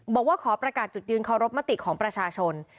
บอกว่าขอประกาศจุดยืนเคารพมติของประชาชน